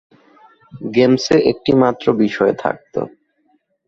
গেমসে একটিমাত্র বিষয় থাকতো।